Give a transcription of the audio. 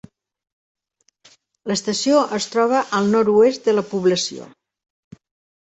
L'estació es troba al nord-oest de la població.